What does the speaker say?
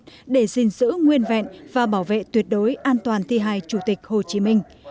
chủ tịch hồ chí minh đã giữ nguyên vẹn và bảo vệ tuyệt đối an toàn thi hài chủ tịch hồ chí minh